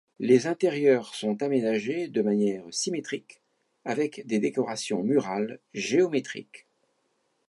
Les intérieurs sont aménagés de manière symétriques, avec des décorations murales géométriques.